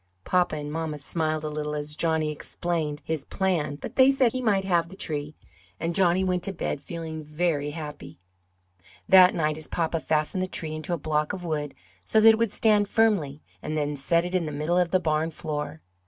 Papa and mamma smiled a little as Johnny explained his plan but they said he might have the tree, and Johnny went to bed feeling very happy. That night his papa fastened the tree into a block of wood so that it would stand firmly and then set it in the middle of the barn floor.